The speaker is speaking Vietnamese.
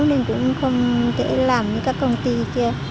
nên cũng không thể làm như các công ty kia